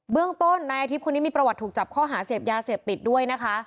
เรื่องต้นนายอาทิตย์คนนี้มีประวัติถูกจับข้อหาเสพยาเสพติดด้วยนะคะ